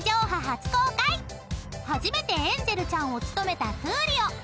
［初めてエンジェルちゃんを務めたトゥーリオ］